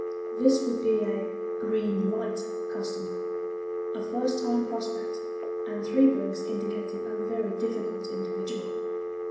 This would be a "green light" customer a first time prospect, and three blinks indicated a very difficult individual.